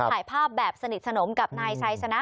ถ่ายภาพแบบสนิทสนมกับนายไซสนะ